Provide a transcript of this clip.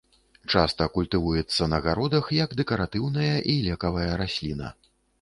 Часта культывуецца на гародах як дэкаратыўная і лекавая расліна.